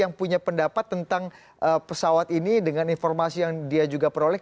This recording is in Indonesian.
yang punya pendapat tentang pesawat ini dengan informasi yang dia juga peroleh